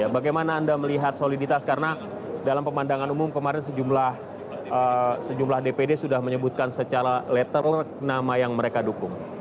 bagaimana anda melihat soliditas karena dalam pemandangan umum kemarin sejumlah dpd sudah menyebutkan secara letter nama yang mereka dukung